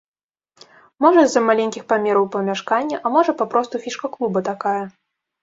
Можа з-за маленькіх памераў памяшкання, а можа папросту фішка клуба такая.